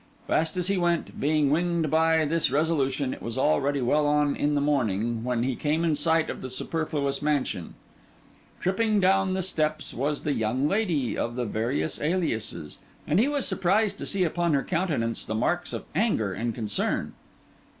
Fast as he went, being winged by this resolution, it was already well on in the morning when he came in sight of the Superfluous Mansion. Tripping down the steps, was the young lady of the various aliases; and he was surprised to see upon her countenance the marks of anger and concern.